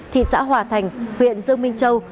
thị xã hòa thành huyện dương minh châu